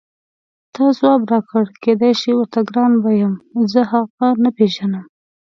تا ځواب راکړ کېدای شي ورته ګران به یم زه هغه نه پېژنم.